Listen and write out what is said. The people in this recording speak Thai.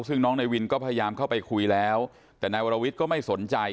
ซึ่งน้องนายวินก็พยายามเข้าไปคุยแล้วแต่นายวรวิทย์ก็ไม่สนใจ